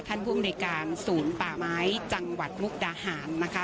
ภูมิในการศูนย์ป่าไม้จังหวัดมุกดาหารนะคะ